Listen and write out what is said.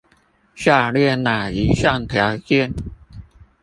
下列那一項條件